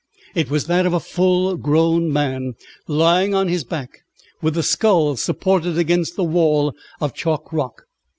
It was that of a full grown man, lying on his back, with the skull supported against the wall of chalk rock.